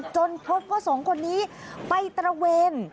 พบว่าสองคนนี้ไปตระเวน